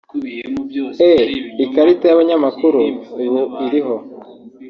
e) Ikarita y’abanyamakuru ubu iriho